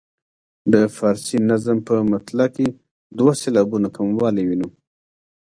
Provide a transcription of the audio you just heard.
د فارسي نظم په مطلع کې دوه سېلابونه کموالی وینو.